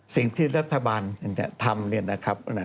สิ่งที่รัฐบาลทำ